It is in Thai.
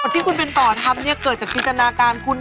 ที่คุณเป็นต่อทำเนี่ยเกิดจากจินตนาการคุณ